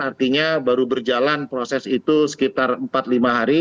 artinya baru berjalan proses itu sekitar empat lima hari